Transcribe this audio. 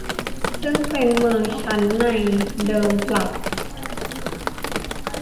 ซึ่งเป็นเมืองชั้นในเดิมปรับ